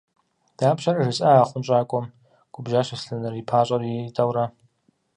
– Дапщэрэ жесӀа а хъунщӀакӀуэм, – губжьащ Аслъэныр, и пащӀэр иритӀэурэ.